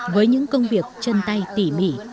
với những công việc chân tay tỉ mỉ